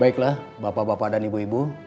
baiklah bapak bapak dan ibu ibu